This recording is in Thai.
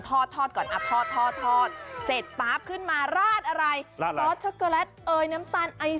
ทอดทอดก่อนอะทอดทอดทอดเสร็จปั๊บขึ้นมาราดอะไรราดอะไร